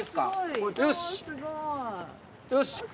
よし。